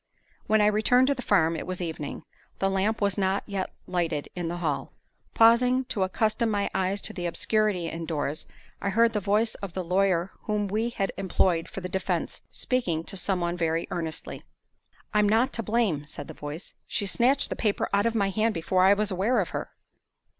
When I returned to the farm, it was evening. The lamp was not yet lighted in the hall. Pausing to accustom my eyes to the obscurity indoors, I heard the voice of the lawyer whom we had employed for the defense speaking to some one very earnestly. "I'm not to blame," said the voice. "She snatched the paper out of my hand before I was aware of her."